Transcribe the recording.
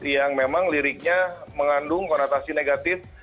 yang memang liriknya mengandung konotasi negatif